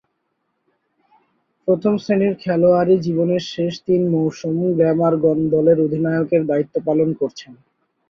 প্রথম-শ্রেণীর খেলোয়াড়ী জীবনের শেষ তিন মৌসুম গ্ল্যামারগন দলের অধিনায়কের দায়িত্ব পালন করেছেন।